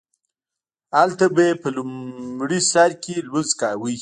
هلته به یې په لومړي سرکې لمونځ کاوو.